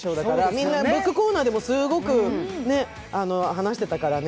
みんなブックコーナーでもすごく話してたからね。